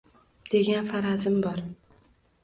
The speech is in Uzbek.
degan farazim bor.